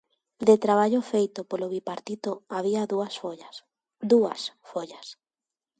De traballo feito polo Bipartito había dúas follas, dúas follas.